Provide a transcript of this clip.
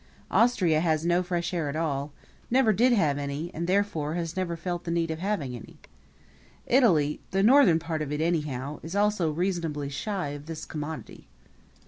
Austria has no fresh air at all never did have any, and therefore has never felt the need of having any. Italy the northern part of it anyhow is also reasonably shy of this commodity.